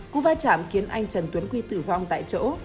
cụ vai trảm khiến anh trần tuấn quy tử vong tại chỗ